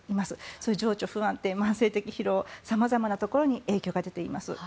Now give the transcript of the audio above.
そういう情緒不安定慢性的疲労様々なところに影響が出ています。